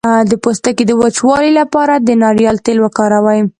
د پوستکي د وچوالي لپاره د ناریل تېل وکاروئ